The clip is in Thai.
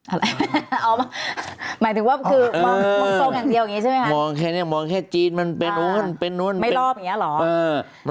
อะไรหมายถึงว่าคือมองตรงอย่างเดียวอย่างนี้ใช่ไหมคะ